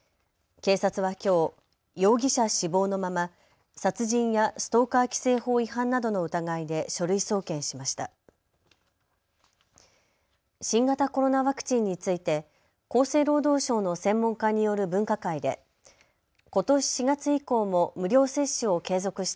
警察はきょう、容疑者死亡のまま殺人やストーカー規制法違反などの疑いで書類送検しました。